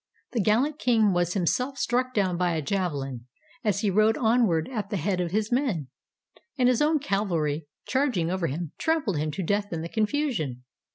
The gallant king was himself struck down by a javelin, as he rode onward at the head of his men; and his own cavalry, charging over him, trampled him to death in the confusion.